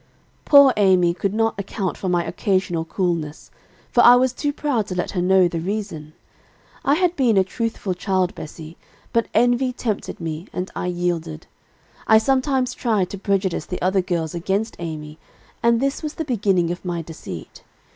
"Poor Amy could not account for my occasional coolness, for I was too proud to let her know the reason. I had been a truthful child, Bessie, but envy tempted me, and I yielded. I sometimes tried to prejudice the other girls against Amy, and this was the beginning of my deceit.